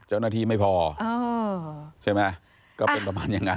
เจ้าหน้าทีไม่พอใช่ไหมก็เป็นประมาณอย่างนั้น